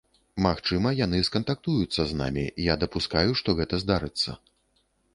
Магчыма, яны скантактуюцца з намі, я дапускаю, што гэта здарыцца.